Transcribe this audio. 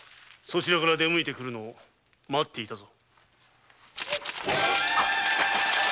そちらから出向いて来るのを待っていたぞ。